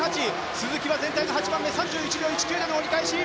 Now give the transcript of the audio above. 鈴木は全体の８番目３９秒１９での折り返し。